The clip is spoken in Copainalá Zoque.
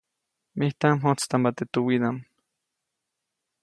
Mijtaʼm mjojtstampa teʼ tuwiʼdaʼm.